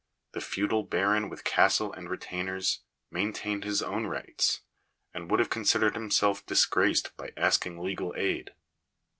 The feudal baron with castle and retainers maintained his own rights, and would have considered himself disgraced by asking legal aid.